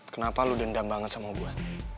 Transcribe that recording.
kenapa lo dendam banget sama gue